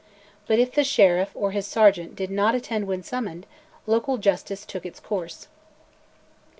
But if the sheriff or his sergeant did not attend when summoned, local justice took its course.